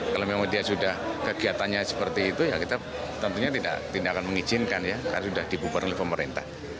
kalau memang dia sudah kegiatannya seperti itu ya kita tentunya tidak akan mengizinkan ya karena sudah dibubarkan oleh pemerintah